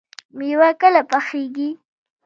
مېوه کله پخیږي؟